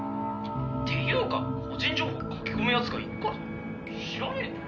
「ていうか個人情報書き込む奴がいっからだよ